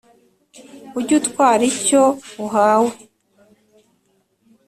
Ujye utwara icyo uhawe